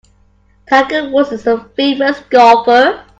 Tiger Woods is a famous golfer.